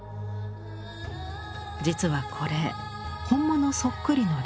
実はこれ本物そっくりのレプリカ。